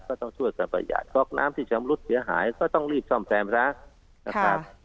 ก็ต้องช่วยกันประหยัดก๊อกน้ำที่ชำรุดเสียหายก็ต้องรีบซ่อมแซมพระนะครับ